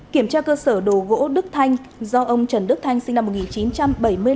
kiểm tra cơ sở đồ gỗ đức thanh do ông trần đức thanh sinh năm một nghìn chín trăm bảy mươi năm